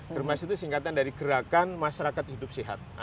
germas itu singkatan dari gerakan masyarakat hidup sehat